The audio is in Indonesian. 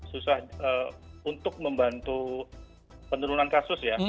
susah untuk membantu penurunan kasus ya